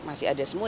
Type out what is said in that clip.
masih ada semua